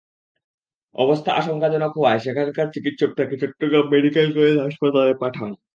অবস্থা আশঙ্কাজনক হওয়ায় সেখানকার চিকিৎসক তাঁকে চট্টগ্রাম মেডিকেল কলেজ হাসপাতালে পাঠান।